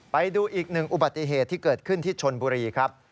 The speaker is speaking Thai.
ไปดูอีกหนึ่งอุบัติเหตุที่เกิดขึ้นที่ชนบุรีครับ